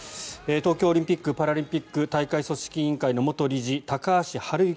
東京オリンピック・パラリンピック大会組織委員会の元理事高橋治之